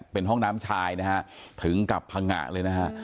เป็นห้องน้ำชายนะฮะถึงกับพังงะเลยนะฮะ